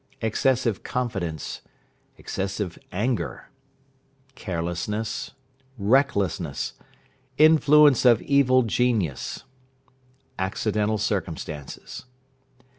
Excessive confidence. Excessive anger. Carelessness. Recklessness. Influence of evil genius. Accidental circumstances.